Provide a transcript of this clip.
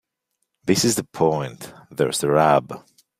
this is the point. There's the rub